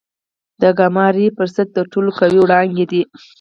د ګاما رې برسټ تر ټولو قوي وړانګې دي.